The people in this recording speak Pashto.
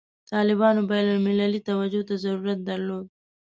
طالبانو بین المللي توجه ته ضرورت درلود.